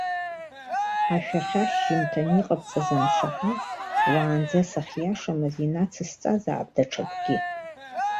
Ашәахьа ашьжьымҭан иҟабҵаз ансаҳа, уаанӡа сахьиашамыз инацысҵазаап даҽакгьы.